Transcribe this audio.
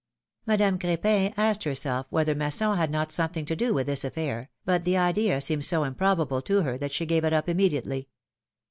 '^ Madame Cr^pin asked herself whether Masson had not something to do with this affair, but the idea seemed so improbable to her that she gave it up immediately.